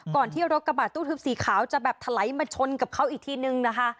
ที่รถกระบาดตู้ทึบสีขาวจะแบบถลายมาชนกับเขาอีกทีนึงนะคะ